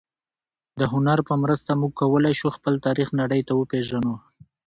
د هنر په مرسته موږ کولای شو خپل تاریخ نړۍ ته وپېژنو.